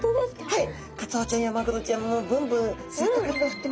はい。